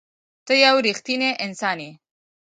ته یو رښتنی انسان یې.